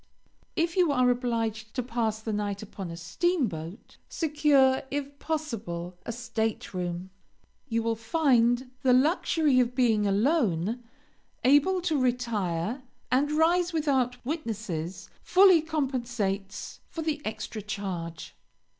If you are obliged to pass the night upon a steamboat secure, if possible, a stateroom. You will find the luxury of being alone, able to retire and rise without witnesses, fully compensates for the extra charge.